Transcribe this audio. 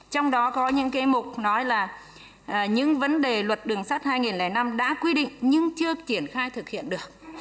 trong đó có những cái mục nói là những vấn đề luật đường sắt hai nghìn năm đã quy định nhưng chưa triển khai thực hiện được